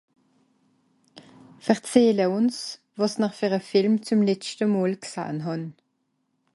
Verzehle ùns, wàs-n-r fer e Film s'letschte mol gsahn hàn.